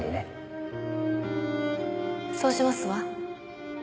そうしますわ。